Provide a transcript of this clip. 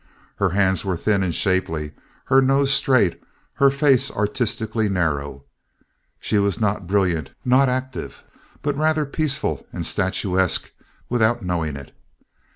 Her hands were thin and shapely, her nose straight, her face artistically narrow. She was not brilliant, not active, but rather peaceful and statuesque without knowing it.